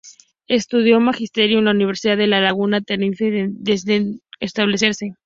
Estudió magisterio en la Universidad de La Laguna, Tenerife, donde terminaría por establecerse.